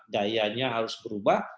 gayanya harus berubah